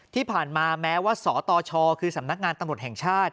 ที่ผ่านมาแม้ว่าสตชคือสำนักงานตำรวจแห่งชาติ